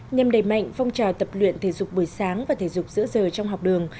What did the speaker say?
nhằm đẩy mạnh phong trào tập luyện thể dục buổi sáng và thể dục giữa giờ trong học đường